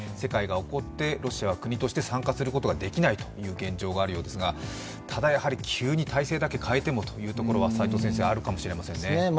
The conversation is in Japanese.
ロシアは国として参加することができないという現状があるようですが、ただ、やはり急に体制だけ変えてもというところはあるかもしれませんね。